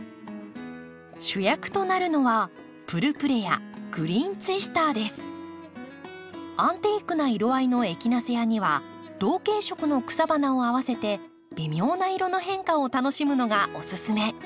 主役となるのはアンティークな色合いのエキナセアには同系色の草花を合わせて微妙な色の変化を楽しむのがオススメ。